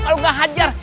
kalau nggak hajar